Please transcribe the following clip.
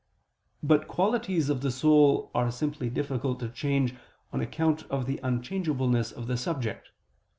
But qualities of the soul are simply difficult to change, on account of the unchangeableness of the subject.